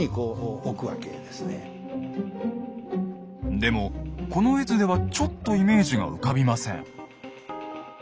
でもこの絵図ではちょっとイメージが浮かびません。